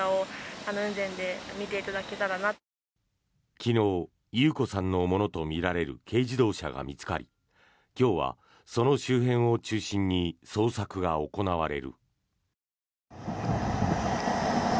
昨日、優子さんのものとみられる軽自動車が見つかり今日はその周辺を中心に捜索が行われる。